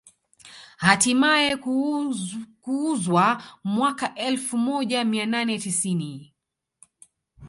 Hatimaye kuuzwa mwaka elfu moja mia nane tisini